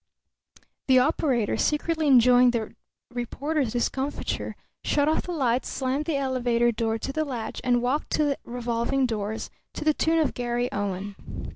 The operator, secretly enjoying the reporter's discomfiture, shut off the lights, slammed the elevator door to the latch, and walked to the revolving doors, to the tune of Garry Owen.